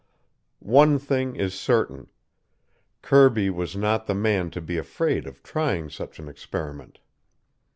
One thing is certain: Kirby was not the man to be afraid of trying such an experiment.